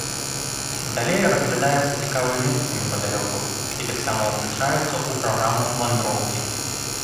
Далей разглядаюцца цікавыя месцы непадалёку і таксама ўключаюцца ў праграму вандроўкі.